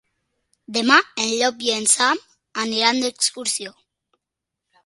Demà en Llop i en Sam aniran d'excursió.